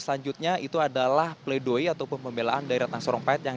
selanjutnya itu adalah pleidoye ataupun pembelaan dari ratna sarongpahit yang